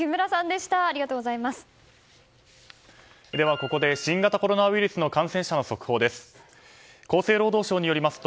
ではここで新型コロナウイルスの感染者の速報です。